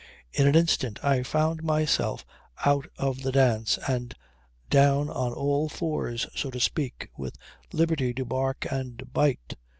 In an instant I found myself out of the dance and down on all fours so to speak, with liberty to bark and bite.